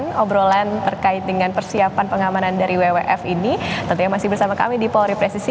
dengan obrolan terkait dengan persiapan pengamanan dari wwf ini tentunya masih bersama kami di polri presisi